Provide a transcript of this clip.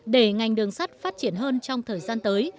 để ngành đường sắt phát triển hơn trong thời gian tới